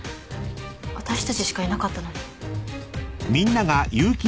私たちしかいなかったのに。